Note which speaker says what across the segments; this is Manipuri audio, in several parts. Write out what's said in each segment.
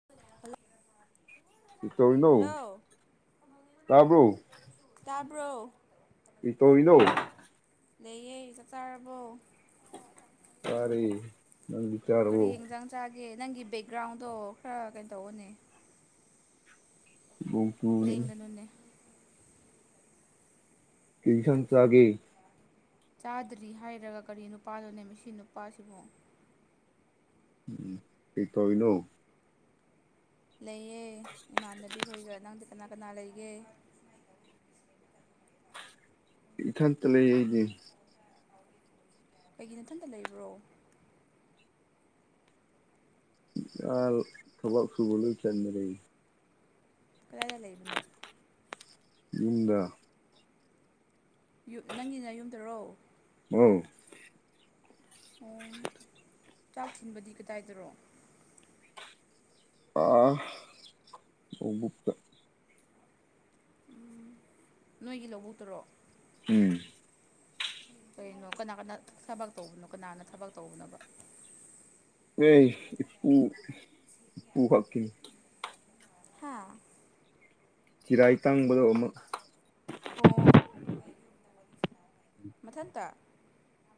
Speaker 1: [unintelligible]
Speaker 2: ꯇꯧꯔꯤꯅꯣ
Speaker 1: ꯍꯜꯂꯣ
Speaker 2: ꯇꯥꯔꯕ꯭ꯔꯣ
Speaker 1: ꯇꯥꯕ꯭ꯔꯣ
Speaker 2: ꯀꯩꯗꯧꯔꯤꯅꯣ
Speaker 1: ꯂꯩꯌꯦ ꯆꯠ ꯆꯥꯔꯕꯣ
Speaker 2: ꯇꯔꯦ ꯅꯪꯗꯤ
Speaker 1: ꯀꯔꯤ
Speaker 2: ꯆꯥꯔꯕꯣ
Speaker 1: ꯌꯦꯡꯖꯥꯡ ꯆꯥꯒꯦ ꯅꯪꯒꯤ ꯕꯦꯛꯒ꯭ꯔꯥꯎꯟꯗꯣ ꯈꯔ ꯀꯩꯅꯣ ꯇꯧꯕꯅꯦ
Speaker 2: ꯑ [inaudible]
Speaker 1: ꯂꯩꯒꯅꯨꯟꯅꯅꯦ
Speaker 2: ꯇ꯭ꯌꯨꯁꯟ ꯆꯒꯦ
Speaker 1: ꯆꯥꯗ꯭ꯔꯤ ꯍꯥꯏꯔꯒ ꯀꯔꯤ ꯅꯨꯄꯥꯗꯨꯣꯅꯦ ꯃꯁꯤ ꯅꯨꯄꯥꯁꯤꯕꯨꯣ
Speaker 2: ꯀꯩꯗꯧꯔꯤꯅꯣ
Speaker 1: ꯂꯩꯌꯦ ꯏꯃꯥꯟꯅꯕꯤꯈꯣꯏꯒ ꯅꯪꯗꯤ ꯀꯅꯥ ꯀꯅꯥ ꯂꯩꯒꯦ
Speaker 2: ꯏꯊꯟꯇ ꯂꯩ ꯑꯩꯗꯤ
Speaker 1: ꯀꯩꯒꯤ ꯅꯊꯟꯇ ꯂꯩꯕ꯭ꯔꯣ
Speaker 2: ꯌꯥ ꯊꯕꯛ ꯐꯕꯂ ꯆꯠ ꯃꯔ
Speaker 1: ꯀꯗꯥꯏꯗ ꯂꯩꯕꯅꯣ
Speaker 2: ꯌꯨꯝꯗ
Speaker 1: ꯌꯨꯝ ꯅꯪꯒꯤꯅ ꯌꯨꯝꯗꯔꯣ
Speaker 2: ꯎꯝ
Speaker 1: ꯑꯣ ꯆꯥꯛ ꯊꯤꯟꯕꯗꯤ ꯀꯗꯥꯏꯗꯔꯣ
Speaker 2: ꯑꯤ [inaudible]
Speaker 1: ꯎ ꯅꯣꯏꯒꯤ ꯂꯧꯕꯨꯇꯔꯣ
Speaker 2: ꯎꯝ
Speaker 1: ꯀꯩꯅꯣ ꯀꯅꯥ ꯀꯅꯥ ꯊꯕꯛ ꯇꯧꯕꯅꯣ ꯀꯅꯥꯅ ꯊꯕꯛ ꯇꯧꯕꯅꯣ
Speaker 2: ꯈꯣꯏ ꯏꯄꯨ ꯏꯄꯨ ꯈꯛꯀꯤꯅꯤ
Speaker 1: ꯍꯥꯥ
Speaker 2: ꯆꯤꯔꯥꯏ ꯇꯥꯡꯕꯗꯣ ꯑꯃꯨꯛ
Speaker 1: ꯑꯣ ꯃꯊꯟꯇ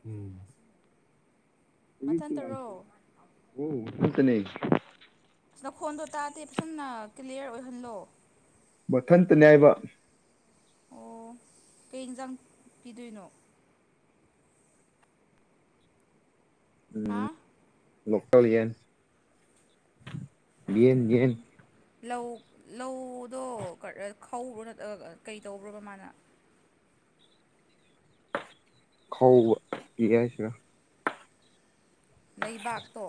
Speaker 2: ꯎꯝ
Speaker 1: ꯃꯊꯟꯇꯔꯣ
Speaker 2: ꯃꯊꯟꯇꯅꯦ
Speaker 1: ꯅꯈꯣꯟꯗꯣ ꯇꯥꯗꯦ ꯐꯖꯅ ꯀ꯭ꯂꯤꯌꯥꯔ ꯑꯣꯏꯍꯜꯂꯣ
Speaker 2: ꯃꯊꯟꯇꯅꯤ ꯍꯥꯏꯏꯕ
Speaker 1: ꯑꯣ ꯀꯩ ꯌꯦꯟꯁꯥꯡ ꯄꯤꯗꯣꯏꯅꯣ ꯍꯥꯥ
Speaker 2: ꯂꯀꯦꯜ ꯌꯦꯟ ꯌꯦꯟ ꯌꯦꯟ
Speaker 1: ꯂꯧ ꯂꯧꯗꯣ ꯈ꯭ꯔꯣ ꯅꯠꯇ꯭ꯔꯒ ꯀꯩ ꯇꯧꯕ꯭ꯔꯣꯕ ꯃꯥꯅ
Speaker 2: ꯈ ꯄꯛ ꯍꯥꯏꯁꯤꯔ
Speaker 1: ꯂꯩꯕꯥꯛꯇꯣ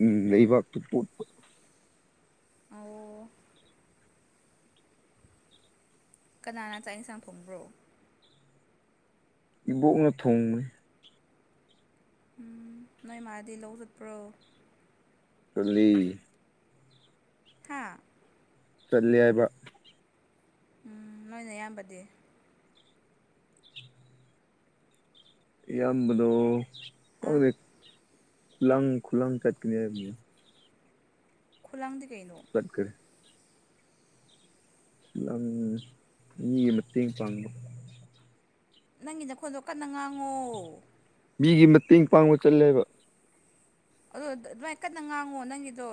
Speaker 2: ꯎꯝ ꯂꯩꯕꯥꯛ ꯇꯨ ꯄꯣꯠꯄ
Speaker 1: ꯑꯣ ꯀꯅꯥꯅ ꯆꯥꯛ ꯌꯦꯁꯥꯡ ꯐꯣꯡꯕ꯭ꯔꯣ
Speaker 2: ꯏꯕꯣꯛꯅ ꯊꯣꯡꯅꯤ
Speaker 1: ꯎꯝ ꯅꯣꯏ ꯃꯥꯗꯤ ꯂꯧ ꯆꯠꯄ꯭ꯔꯣ
Speaker 2: ꯆꯥꯠꯂꯤ
Speaker 1: ꯍꯥ
Speaker 2: ꯆꯠꯂꯤ ꯍꯥꯏꯕ
Speaker 1: ꯎꯝ ꯅꯣꯏꯅ ꯏꯌꯥꯝꯕꯗꯤ
Speaker 2: ꯏꯌꯥꯝꯕꯗꯣ ꯀ
Speaker 1: ꯍꯥ
Speaker 2: ꯈꯨꯂꯥꯡ ꯈꯨꯂꯥꯡ ꯆꯠꯀꯅꯤ ꯍꯥꯏꯕꯅꯤꯅ
Speaker 1: ꯈꯨꯂꯥꯡꯗꯤ ꯀꯩꯅꯣ
Speaker 2: ꯇꯥꯠꯔꯦ [inaudible] ꯏꯝ ꯃꯤꯒꯤ ꯃꯇꯦꯡ ꯄꯥꯪꯕꯥ
Speaker 1: ꯅꯪꯒꯤ ꯅꯈꯣꯟꯗꯣ ꯀꯟꯅ ꯉꯥꯡꯉꯣ
Speaker 2: ꯃꯤꯒꯤ ꯃꯇꯦꯡ ꯄꯥꯡꯕ ꯆꯠꯂꯦꯕ
Speaker 1: ꯑꯗꯣ ꯑꯗꯨꯃꯥꯏ ꯀꯟꯅ ꯉꯥꯡꯉꯣ ꯅꯪꯒꯤꯗꯣ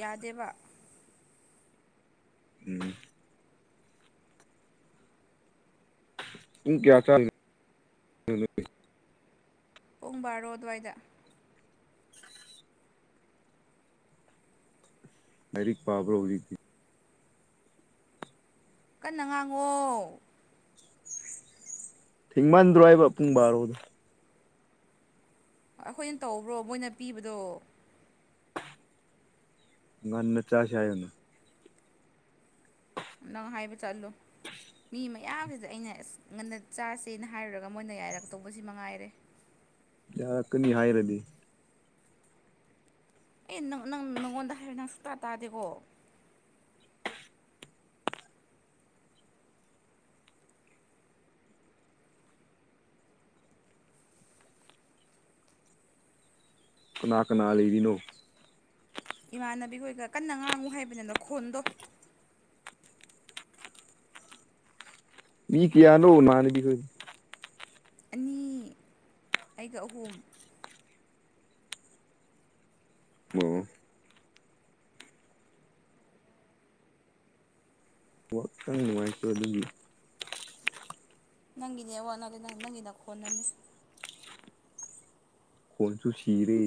Speaker 1: ꯌꯥꯗꯦꯕ
Speaker 2: ꯎꯝ [inaudible] ꯀꯌꯥ ꯆ [inaudible]
Speaker 1: ꯄꯨꯡ ꯕꯥꯔꯣ ꯑꯗꯨꯋꯥꯏꯗ
Speaker 2: ꯂꯥꯏꯔꯤꯛ ꯄꯥꯕꯔ ꯍꯧꯔꯤ ꯊꯤ
Speaker 1: ꯀꯟꯅ ꯉꯥꯡꯉꯣ
Speaker 2: ꯊꯤꯡꯃꯟꯗ꯭ꯔꯣ ꯍꯥꯏꯕ ꯄꯨꯡ ꯕꯥꯔꯣꯗꯣ
Speaker 1: ꯑꯩꯈꯣꯏꯅ ꯇꯧꯕ꯭ꯔꯣ ꯃꯣꯏꯅ ꯄꯤꯕꯗꯣ
Speaker 2: ꯅ ꯆꯆꯥꯁꯤ ꯍꯥꯏꯌꯣꯅꯦ
Speaker 1: ꯅꯪ ꯍꯥꯏꯕ ꯆꯠꯂꯨ ꯃꯤ ꯃꯌꯥꯝꯁꯤꯗ ꯑꯩꯅ ꯑꯁ ꯉꯟꯅ ꯆꯥꯁꯦꯅ ꯍꯥꯏꯔꯨꯔꯒ ꯃꯣꯏꯅ ꯌꯥꯏꯔꯛꯇꯧꯕꯁꯤ ꯃꯉꯥꯏꯔꯦ
Speaker 2: ꯌꯥꯔꯛꯀꯅꯤ ꯍꯥꯏꯔꯗꯤ
Speaker 1: ꯑꯦ ꯅꯪ ꯅꯪ ꯅꯪꯉꯣꯟꯗ ꯍꯥꯏꯔ ꯅꯪ ꯁꯨꯇꯥ ꯇꯥꯗꯦꯀꯣ
Speaker 2: ꯀꯅꯥ ꯀꯅꯥ ꯂꯩꯔꯤꯅꯣ
Speaker 1: ꯏꯃꯥꯟꯅꯕꯤ ꯍꯣꯏꯒ ꯀꯟꯅ ꯉꯥꯡꯉꯨ ꯍꯥꯏꯕꯅꯤ ꯑꯅꯣ ꯈꯣꯟꯗꯣ
Speaker 2: ꯃꯤ ꯀꯌꯥꯅꯣ ꯃꯥꯅꯦꯕꯤꯈ
Speaker 1: ꯑꯅꯤ ꯑꯩꯒ ꯑꯍꯨꯝ
Speaker 2: ꯑꯣ ꯋꯥꯇꯪ ꯅꯨꯡꯉꯥꯏꯇꯗꯤ
Speaker 1: ꯅꯪꯒꯤꯅꯦ ꯋꯥꯠꯅꯂꯦ ꯅꯪ ꯅꯪꯒꯤꯅ ꯈꯣꯟꯅꯅꯦ
Speaker 2: ꯀꯆꯨ ꯆꯤꯔꯦ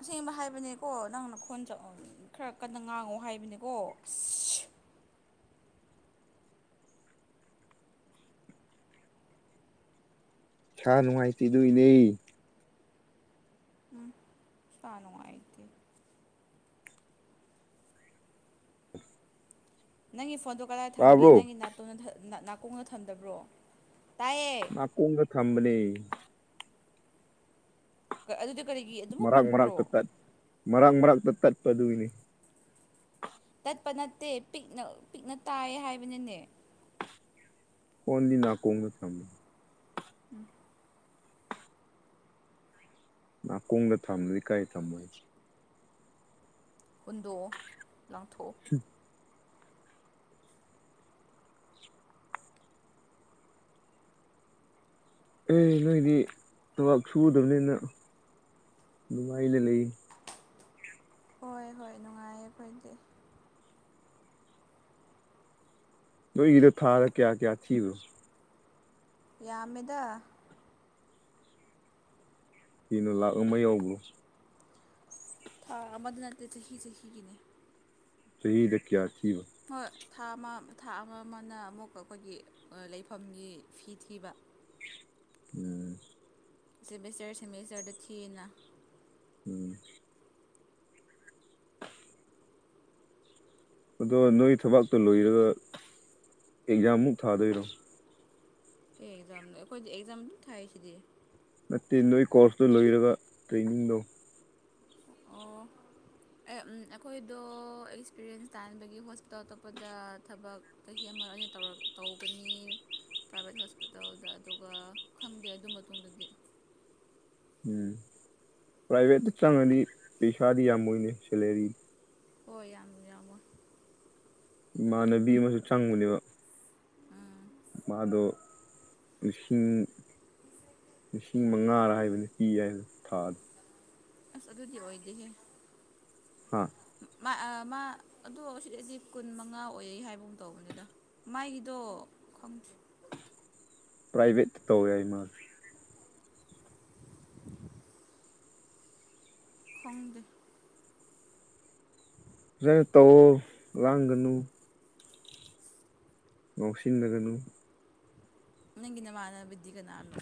Speaker 1: ꯑꯁꯦꯡꯕ ꯍꯥꯏꯕꯅꯦꯀꯣ ꯅꯪꯅ ꯈꯣꯟ ꯈꯔ ꯀꯟꯅ ꯉꯥꯡꯉꯣ ꯍꯥꯏꯕꯅꯦꯀꯣ ꯑ
Speaker 2: ꯁꯥ ꯅꯨꯡꯉꯥꯏꯇꯦ ꯗꯣꯏꯅꯦ
Speaker 1: ꯎꯝ ꯐꯅꯨꯥꯏꯗꯤ ꯅꯪꯒꯤ ꯐꯣꯟꯗꯣ ꯀꯗꯥꯏ ꯊꯝꯒꯦ
Speaker 2: ꯇꯥꯕ꯭ꯔꯣ
Speaker 1: ꯅꯪꯒꯤ ꯇ ꯅꯥꯀꯣꯡꯅ ꯊꯝꯗꯕ꯭ꯔꯣ ꯇꯥꯏꯌꯦ
Speaker 2: ꯀꯨꯡꯒ ꯊꯝꯕꯅꯤ
Speaker 1: ꯑꯗꯨꯗ ꯀꯔꯤꯒꯤ ꯑꯗꯨꯃꯛ
Speaker 2: ꯃꯔꯥꯡ ꯃꯔꯛꯇ
Speaker 1: ꯄꯤꯛꯄ꯭ꯔꯣ
Speaker 2: ꯇꯠ ꯃꯔꯥꯡ ꯃꯔꯛꯇ ꯇꯠꯄ ꯑꯗꯨꯏꯅꯤ
Speaker 1: ꯇꯠꯄ ꯅꯠꯇꯦ ꯄꯤꯛꯅ ꯄꯤꯛꯅ ꯇꯥꯏ ꯍꯥꯏꯕꯅꯅꯦ
Speaker 2: ꯍꯣꯟꯗꯤ ꯅꯥꯀꯣꯡꯗ ꯊꯝꯃꯤ
Speaker 1: ꯎꯝ [inaudible]
Speaker 2: ꯅꯥꯀꯣꯡꯗ ꯊꯝꯂꯗꯤ ꯀꯥꯏ ꯊꯝꯃꯣꯏ ꯍꯥꯏꯁꯦ
Speaker 1: ꯍꯨꯟꯗꯣ ꯂꯥꯡꯊꯣꯛ
Speaker 2: ꯎ [unintelligible] ꯑꯦ ꯅꯣꯏꯗꯤ ꯊꯕꯛ ꯁꯨꯒꯗꯕꯅꯤꯅ ꯃꯥꯏꯗ ꯂꯩ
Speaker 1: ꯍꯣꯏ ꯍꯣꯏ ꯅꯨꯡꯉꯥꯏꯌꯦ ꯑꯩꯈꯣꯏꯗꯤ
Speaker 2: ꯅꯣꯏꯒꯤꯗꯣ ꯊꯥꯔ ꯀꯌꯥ ꯀꯌꯥ ꯊꯤꯕꯣ
Speaker 1: ꯌꯥꯝꯃꯤꯗ
Speaker 2: ꯀꯩꯅꯣ ꯂꯥꯛꯑꯕ ꯌꯥꯎꯕ
Speaker 1: ꯊꯥ ꯑꯃꯗ ꯅꯠꯇꯦ ꯆꯍꯤ ꯆꯍꯤꯒꯤꯅꯦ
Speaker 2: ꯆꯍꯤꯗ ꯀꯌꯥꯊꯤꯕ
Speaker 1: ꯍꯣꯏ ꯊꯥ ꯑꯃ ꯊꯥ ꯑꯃ ꯑꯃꯅ ꯑꯃꯨꯛ ꯑꯩꯈꯣꯏꯒꯤ ꯂꯩꯐꯝꯒꯤ ꯐꯤ ꯊꯤꯕ
Speaker 2: ꯎꯝ [inaudible]
Speaker 1: ꯁꯦꯃꯦꯁꯇꯔ ꯁꯦꯃꯤꯁꯇꯔꯗ ꯊꯤꯅ
Speaker 2: ꯎꯝ ꯑꯗꯣ ꯅꯣꯏ ꯊꯕꯥꯛꯇ ꯂꯣꯏꯔꯒ ꯑꯦꯛꯖꯥꯝꯃꯨꯛ ꯊꯥꯗꯣꯏꯔꯣ
Speaker 1: ꯑꯦ ꯑꯦꯛꯖꯥꯝ ꯑꯩꯈꯣꯏꯗꯤ ꯑꯦꯛꯖꯥꯝꯗꯨ ꯊꯥꯏꯁꯤꯗꯤ
Speaker 2: ꯅꯠꯇꯦ ꯅꯣꯏ ꯀꯣꯔꯁꯇꯨ ꯂꯣꯏꯔꯒ ꯇ꯭ꯔꯦꯅꯤꯡꯗꯣ
Speaker 1: ꯑꯣ ꯑꯩꯈꯣꯏꯗꯣ ꯑꯦꯛꯁꯄꯤꯔꯤꯌꯦꯟꯁ ꯇꯥꯅꯕꯒꯤ ꯍꯣꯁꯄꯤꯇꯥꯜ ꯑꯇꯣꯞꯄꯗ ꯊꯕꯛ ꯆꯍꯤ ꯑꯃ ꯑꯩꯅ ꯇꯧꯔ ꯇꯧꯒꯅꯤ ꯄ꯭ꯔꯥꯏꯚꯦꯠ ꯍꯣꯁꯄꯤꯇꯥꯜꯗ ꯑꯗꯨꯒ ꯈꯪꯗꯦ ꯑꯗꯨ ꯃꯇꯨꯡꯗꯗꯤ
Speaker 2: ꯎꯝ ꯄ꯭ꯔꯥꯏꯚꯦꯠꯇ ꯆꯪꯉꯗꯤ ꯄꯩꯁꯥꯗꯤ ꯌꯥꯝꯃꯣꯏꯅꯤ ꯁꯦꯂꯔꯤ
Speaker 1: ꯍꯣꯏ ꯌꯥꯝꯃ ꯌꯥꯝꯃꯣ
Speaker 2: ꯏꯃꯥꯟꯅꯕꯤ ꯑꯃꯁꯨ ꯆꯪꯉꯨꯅꯦꯕ
Speaker 1: ꯎꯝ
Speaker 2: ꯃꯥꯗ ꯏꯁꯤꯡ ꯄꯨꯡ ꯃꯉꯥꯔ ꯍꯥꯏꯕꯅꯤ ꯀꯤꯌꯦ ꯊꯥꯗ
Speaker 1: ꯑꯁ ꯑꯗꯨꯗꯤ ꯑꯣꯏꯗꯍꯦ
Speaker 2: ꯍꯥ
Speaker 1: ꯃꯥ ꯑ ꯃꯥ ꯑꯗꯣ ꯑꯁꯤ ꯑꯁꯤ ꯀꯨꯟ ꯃꯉꯥ ꯑꯣꯏ ꯍꯥꯏꯕꯒꯨꯝ ꯇꯧꯕꯅꯤꯗ ꯃꯥꯏꯒꯤꯗꯣ ꯈꯪꯗꯦ
Speaker 2: ꯄ꯭ꯔꯥꯏꯚꯦꯠ ꯇꯧꯋꯦ ꯍꯥꯏ ꯃꯥ
Speaker 1: ꯈꯪꯗꯦ
Speaker 2: ꯐꯖꯥꯟꯅ ꯇꯧꯑꯣ ꯂꯥꯡꯒꯅꯨ ꯉꯥꯎꯁꯤꯟꯅꯒꯅꯨ
Speaker 1: ꯅꯪꯒꯤ ꯅꯃꯥꯟꯅꯕꯤꯗꯤ ꯀꯅꯥꯅꯣ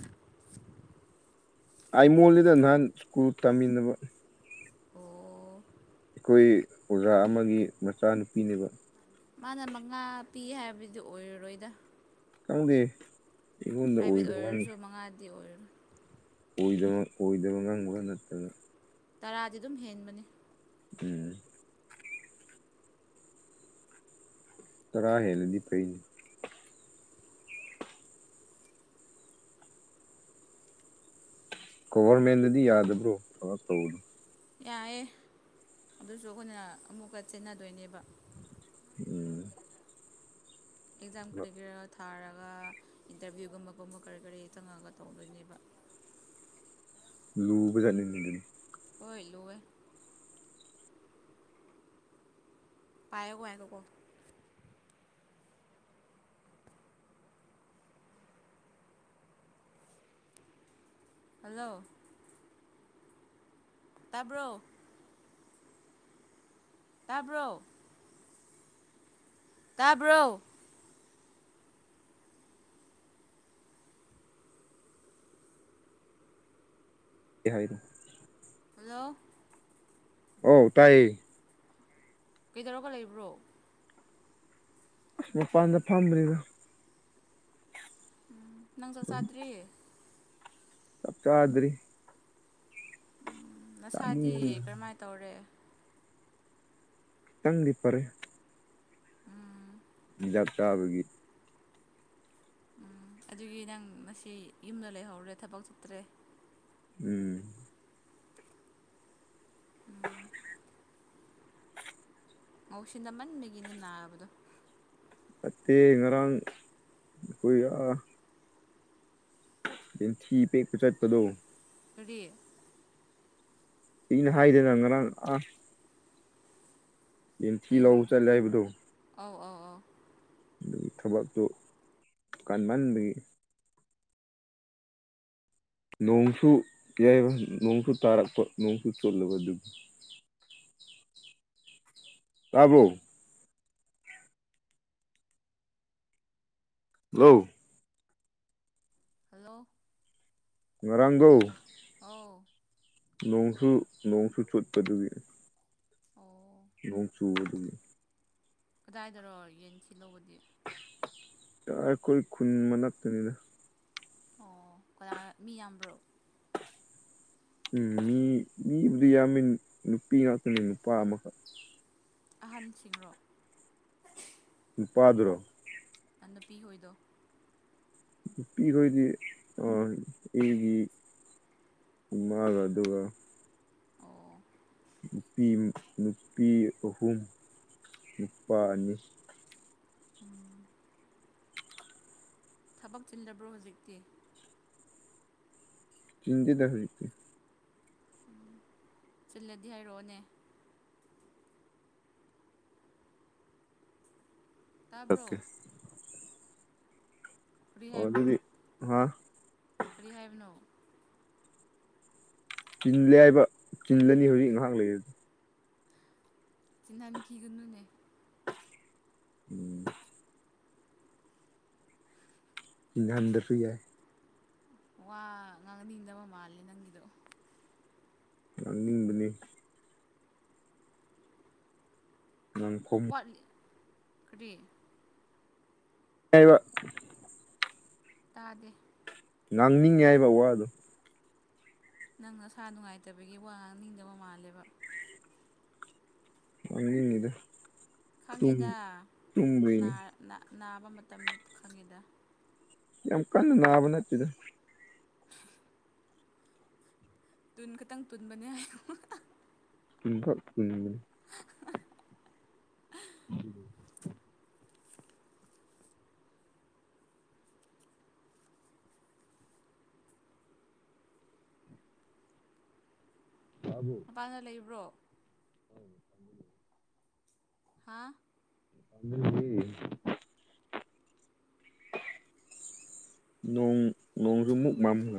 Speaker 2: ꯑꯥꯏꯃꯣꯜꯅꯤꯗ ꯅꯍꯥꯟ ꯁ꯭ꯀꯨꯜ ꯇꯝꯃꯤꯟꯅꯕ
Speaker 1: ꯑꯣ
Speaker 2: ꯑꯩꯈꯣꯏ ꯑꯣꯖꯥ ꯑꯃꯒꯤ ꯃꯆꯥꯅꯨꯄꯤꯅꯦꯕ
Speaker 1: ꯃꯥꯅ ꯃꯉꯥ ꯄꯤ ꯍꯥꯏꯕꯗꯨ ꯑꯣꯏꯔꯔꯣꯏꯗ
Speaker 2: ꯈꯪꯗꯦ ꯑꯩꯉꯣꯟꯗ
Speaker 1: ꯄ꯭ꯔꯥꯏꯚꯦꯠ
Speaker 2: ꯑꯣꯏꯗꯕ ꯋꯥꯅꯤ
Speaker 1: ꯑꯣꯏꯔꯁꯨ ꯃꯉꯥꯗꯤ ꯑꯣꯏꯔꯔꯣꯏ
Speaker 2: ꯑꯣꯏꯗꯕ ꯑꯣꯏꯗꯕ ꯉꯥꯡꯕꯒ ꯅꯠꯇꯅ
Speaker 1: ꯇꯔꯥꯗꯤ ꯑꯗꯨꯝ ꯍꯦꯟꯕꯅꯤ
Speaker 2: ꯎꯝ ꯇꯔꯥ ꯍꯦꯜꯂꯗꯤ ꯐꯩ ꯒꯣꯕ꯭ꯔꯃꯦꯟꯠꯗꯗꯤ ꯌꯥꯗꯕ꯭ꯔꯣ ꯇꯧꯕꯗꯣ
Speaker 1: ꯌꯥꯑꯦ ꯑꯗꯨꯁꯨ ꯑꯩꯈꯣꯏꯅ ꯑꯃꯨꯛꯀ ꯆꯦꯟꯅꯗꯣꯏꯅꯦꯕ
Speaker 2: ꯎꯝ
Speaker 1: ꯑꯦꯛꯖꯥꯝ ꯀꯔꯤ ꯀꯔ ꯊꯥꯔꯒ ꯏꯟꯇꯔꯚꯤꯌꯨ ꯒꯨꯝꯕ ꯀꯨꯝꯕ ꯀꯔꯤ ꯀꯔꯤ ꯆꯪꯉꯒ ꯇꯧꯗꯣꯏꯅꯦꯕ
Speaker 2: ꯂꯨꯕꯖꯥꯠꯅꯤ ꯑꯗꯨꯗꯤ
Speaker 1: ꯍꯣꯏ ꯂꯨꯋꯦ [inaudible] ꯍꯜꯂꯣ ꯇꯥꯕ꯭ꯔꯣ ꯇꯥꯕ꯭ꯔꯣ ꯇꯥꯕ꯭ꯔꯣ
Speaker 2: ꯀꯩ ꯍꯥꯏ
Speaker 1: ꯍꯜꯂꯣ
Speaker 2: ꯑꯧ ꯇꯥꯌꯦ
Speaker 1: ꯀꯩꯗꯧꯔꯒ ꯂꯩꯕ꯭ꯔꯣ
Speaker 2: ꯑꯁ ꯃꯄꯥꯟꯗ ꯐꯝꯕ꯭ꯔꯤꯗ
Speaker 1: ꯎꯝ ꯅꯪ ꯆꯥꯛ ꯆꯥꯗ꯭ꯔꯤ
Speaker 2: ꯆꯛ ꯆꯥꯗ꯭ꯔꯤ
Speaker 1: ꯎꯝ
Speaker 2: ꯆꯥꯅꯤꯡ
Speaker 1: ꯅꯁꯥꯗꯤ ꯀꯔꯝꯃꯥꯏ ꯇꯧꯔꯦ
Speaker 2: ꯇꯪꯗꯤ ꯐꯥꯔꯦ ꯍꯤꯗꯥꯛ ꯆꯥꯕꯒꯤ
Speaker 1: ꯎꯝ ꯑꯗꯨꯒꯤ ꯅꯪ ꯉꯁꯤ ꯌꯨꯝꯗ ꯂꯩꯍꯧꯔꯦ ꯊꯕꯛ ꯆꯠꯇ꯭ꯔꯦ
Speaker 2: ꯎꯝ
Speaker 1: ꯉ‌ꯎꯁꯤꯟꯅꯃꯟꯕꯒꯤꯅꯦ ꯅꯥꯕꯗꯣ
Speaker 2: ꯅꯠꯇꯦ ꯉꯔꯥꯡ ꯎꯏ ꯑ ꯌꯦꯟꯊꯤ ꯄꯦꯛꯄ ꯆꯠꯄꯗꯣ
Speaker 1: ꯀꯔꯤ
Speaker 2: ꯑꯩꯅ ꯍꯥꯏꯗꯅ ꯉꯔꯥꯡ ꯑꯥ ꯌꯦꯡꯊꯤ ꯂꯧꯕ ꯆꯠꯂꯦ ꯍꯥꯏꯕꯗꯣ
Speaker 1: ꯑꯥꯎ ꯑꯥꯎ ꯑꯥꯎ
Speaker 2: ꯑꯗꯨꯒꯤ ꯊꯕꯛꯇꯨ ꯀꯟꯃꯟꯕꯒꯤ ꯅꯣꯡꯁꯨ ꯌꯥꯌꯥꯏꯕ ꯅꯣꯡꯁꯨ ꯇꯥꯔꯛꯄ ꯅꯣꯡꯁꯨ ꯆꯣꯠꯂꯕ ꯑꯗꯨꯒꯤ ꯇꯥꯕꯔꯣ ꯍꯜꯂꯣ
Speaker 1: ꯍꯜꯂꯣ
Speaker 2: ꯉꯔꯥꯡꯗꯣ
Speaker 1: ꯑꯥꯎ
Speaker 2: ꯅꯣꯡꯁꯨ ꯅꯣꯡꯁꯨ ꯆꯨꯠꯄꯗꯨꯒꯤ
Speaker 1: ꯑꯣ
Speaker 2: ꯅꯣꯡ ꯆꯨꯕ ꯑꯗꯨꯒꯤ
Speaker 1: ꯀꯗꯥꯏꯗꯔꯣ ꯌꯦꯟ ꯊꯤ ꯂꯧꯕꯗꯤ
Speaker 2: ꯇꯥ ꯑꯩꯈꯣꯏ ꯈꯨꯟ ꯃꯅꯥꯛꯇꯅꯤꯗ
Speaker 1: ꯑꯣ ꯀꯅꯥ ꯃꯤ ꯌꯥꯝꯕ꯭ꯔꯣ
Speaker 2: ꯎꯝ ꯃꯤ ꯃꯤꯕꯨꯗꯤ ꯌꯥꯝꯃꯤ ꯅꯨꯄꯤ ꯉꯥꯛꯇꯅꯤ ꯅꯨꯄꯥ ꯑꯃꯈꯛ
Speaker 1: ꯑꯍꯟꯁꯤꯡꯔꯣ
Speaker 2: ꯅꯨꯄꯥꯗꯨꯔꯣ
Speaker 1: ꯑ ꯅꯨꯄꯤ ꯍꯣꯏꯗꯣ
Speaker 2: ꯅꯨꯄꯤꯍꯣꯏꯗꯤ ꯑꯥ ꯑꯩꯒꯤ ꯏꯃꯥꯒ ꯑꯗꯨꯒ
Speaker 1: ꯑꯣ
Speaker 2: ꯅꯨꯄꯤ ꯅꯨꯄꯤ ꯑꯍꯨꯝ ꯅꯨꯄꯥ ꯑꯅꯤ
Speaker 1: ꯑꯣ ꯊꯕꯛ ꯆꯤꯟꯗꯕ꯭ꯔꯣ ꯍꯧꯖꯤꯛꯇꯤ
Speaker 2: ꯆꯤꯟꯗꯦꯗ ꯍꯧꯖꯤꯛꯇꯤ
Speaker 1: ꯆꯤꯜꯂꯗꯤ ꯍꯥꯏꯔꯛꯑꯣꯅꯦ
Speaker 2: ꯑꯣꯀꯦ
Speaker 1: ꯇꯥꯕ꯭ꯔꯣ ꯀꯔꯤ
Speaker 2: ꯑꯣ
Speaker 1: ꯍꯥꯏꯕ꯭ꯔꯣ
Speaker 2: ꯑꯗꯨꯗꯤ ꯍꯥꯥ
Speaker 1: ꯀꯔꯤ ꯍꯥꯏꯕꯅꯣ
Speaker 2: ꯆꯤꯜꯂꯦ ꯍꯥꯏꯕ ꯆꯤꯜꯂꯅꯤ ꯍꯧꯖꯤꯛ ꯉꯥꯏꯍꯥꯛ ꯂꯩꯔꯗꯤ
Speaker 1: ꯆꯤꯟꯍꯟꯈꯤꯒꯅꯨꯅꯦ
Speaker 2: ꯎꯝ ꯆꯤꯟꯍꯟꯗꯁꯨ ꯌꯥꯏ
Speaker 1: ꯋꯥ ꯉꯥꯡꯅꯤꯡꯗꯕ ꯃꯥꯜꯂꯦ ꯅꯪꯒꯤꯗꯣ
Speaker 2: ꯉꯥꯡꯅꯤꯡꯕꯅꯦ ꯑꯪ
Speaker 1: ꯋꯥꯠꯂꯤ ꯀꯔꯤ
Speaker 2: ꯑꯥꯏꯕ
Speaker 1: ꯇꯥꯗꯦ
Speaker 2: ꯉꯥꯡꯅꯤꯡꯉꯦ ꯍꯥꯏꯕ ꯋꯥꯗꯣ
Speaker 1: ꯅꯪ ꯅꯁꯥ ꯅꯨꯡꯉꯥꯏꯇꯕꯒꯤ ꯋꯥ ꯉꯥꯡꯅꯤꯡꯗꯕ ꯃꯥꯜꯂꯦꯕ
Speaker 2: ꯉꯥꯡꯅꯤꯡꯅꯤꯗ
Speaker 1: ꯈꯪꯉꯤꯗ
Speaker 2: ꯇꯨꯝꯕꯩꯅꯤ
Speaker 1: ꯅꯥꯔ ꯅꯥ ꯅꯕ ꯃꯇꯝꯗ ꯈꯪꯉꯤꯗ
Speaker 2: ꯌꯥꯝ ꯀꯟꯅ ꯅꯥꯕ ꯅꯠꯇꯦꯗ
Speaker 1: ꯇꯨꯟ ꯈꯛꯇꯪ ꯇꯨꯟꯕꯅꯦ ꯍꯥꯏꯌꯣ
Speaker 2: ꯎꯟꯈꯠ ꯎꯟꯕꯅꯦ
Speaker 1: [unintelligible]
Speaker 2: [unintelligible] ꯇꯥꯕ꯭ꯔꯣ
Speaker 1: ꯄꯒ ꯂꯩꯕ꯭ꯔꯣ
Speaker 2: [inaudible]
Speaker 1: ꯍꯥꯥ
Speaker 2: [unintelligible] ꯅꯣꯡ ꯅꯣꯡꯁꯨꯃꯨꯛ ꯃꯝꯈ꯭ꯔꯦ